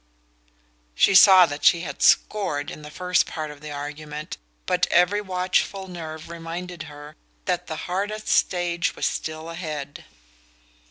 She saw that she had scored in the first part of the argument, but every watchful nerve reminded her that the hardest stage was still ahead.